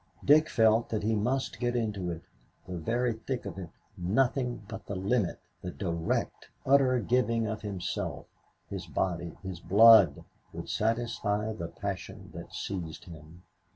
Dick felt that he must get into it, the very thick of it, nothing but the limit the direct, utter giving of himself his body, his blood, would satisfy the passion that seized him.